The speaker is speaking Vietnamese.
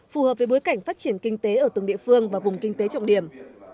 phù hợp với bối cảnh phát triển kinh tế ở từng địa phương và vùng kinh tế trọng điểm